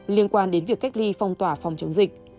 liên quan đến việc cách ly phong tỏa phòng chống dịch